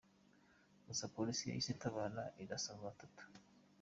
Gusa, polisi yahise itabara irasa abo batatu.